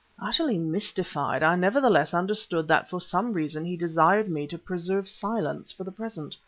Utterly mystified, I nevertheless understood that for some reason he desired me to preserve silence for the present.